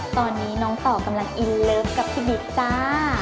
ตอนนี้น้องต่อกำลังอินเลิฟกับพี่บิ๊กจ้า